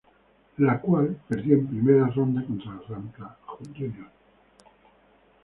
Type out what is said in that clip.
La cual perdió en primera ronda contra Rampla Juniors.